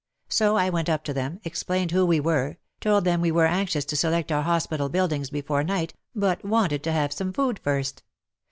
So I went up to them, explained who we were, told them we were anxious to select our hospital buildings before night, but wanted to have some food first.